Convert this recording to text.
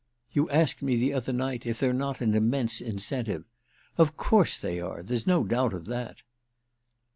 You asked me the other night if they're not an immense incentive. Of course they are—there's no doubt of that!"